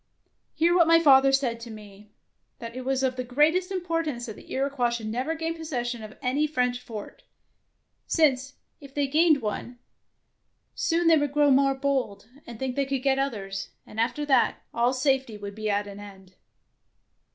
Hear what my father said to me, that it was of the greatest importance that the Iroquois should never gain possession of any French fort, since, if they gained one, 121 DEEDS OF DAEING soon they would grow more bold, and think they could get others, and after that all safety would be at an end.